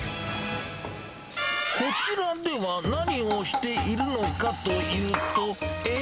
こちらでは何をしているのかというと、え？